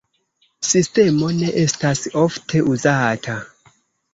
Sistemo ne estas ofte uzata.